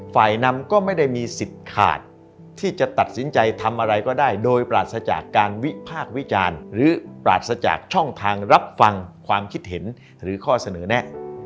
ฝ่ายนำก็ไม่ได้มีสิทธิ์ขาดที่จะตัดสินใจทำอะไรก็ได้โดยปราศจากการวิพากษ์วิจารณ์หรือปราศจากช่องทางรับฟังความคิดเห็นหรือข้อเสนอแนะ